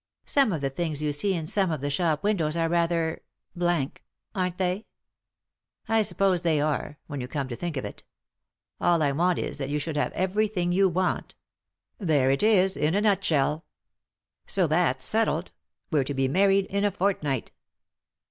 Some of the things you see in some of the shop windows are rather , aren't they ?"" I suppose they are, when you come to think of it. All I want is that you should have everything 211 3i 9 iii^d by Google THE INTERRUPTED KISS you want ; there it is, in a nutshell. So that's settled ; we're to be married in a fortnight."